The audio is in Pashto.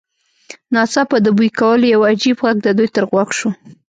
ناڅاپه د بوی کولو یو عجیب غږ د دوی تر غوږ شو